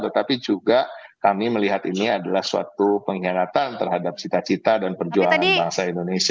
tetapi juga kami melihat ini adalah suatu pengkhianatan terhadap cita cita dan perjuangan bangsa indonesia